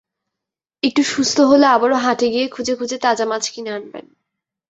একটু সুস্থ হলে আবারও হাটে গিয়ে খুঁজে খুঁজে তাজা মাছ কিনে আনবেন।